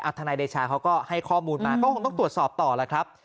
ทนายเดชาเขาก็ให้ข้อมูลมาก็คงต้องตรวจสอบต่อแล้วครับ